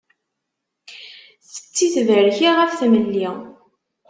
Tetti tberki ɣef tmelli.